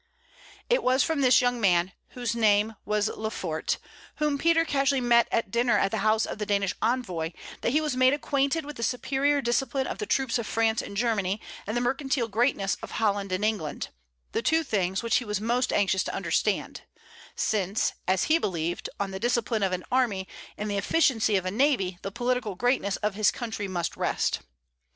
It was from this young man, whose name was Lefort, whom Peter casually met at dinner at the house of the Danish envoy, that he was made acquainted with the superior discipline of the troops of France and Germany, and the mercantile greatness of Holland and England, the two things which he was most anxious to understand; since, as he believed, on the discipline of an army and the efficiency of a navy the political greatness of his country must rest.